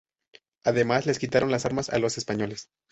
Además, les quitaron las armas a los españoles.